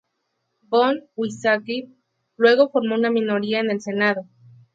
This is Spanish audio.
Von Weizsäcker luego formó una minoría en el Senado.